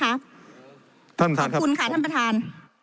ท่านประธานครับขอบคุณค่ะท่านประธาน